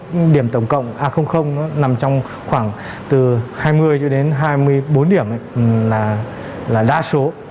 những điểm tổng cộng a nó nằm trong khoảng từ hai mươi cho đến hai mươi bốn điểm là đa số